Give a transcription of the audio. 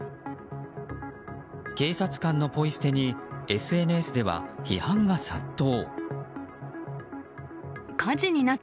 警察官のポイ捨てにＳＮＳでは批判が殺到。